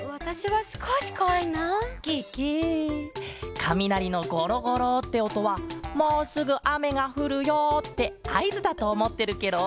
かみなりのゴロゴロっておとは「もうすぐあめがふるよ」ってあいずだとおもってるケロ。